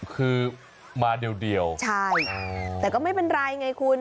คือมาเดียวใช่แต่ก็ไม่เป็นไรไงคุณ